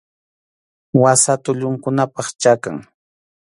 Wasa tullukunapa chakan.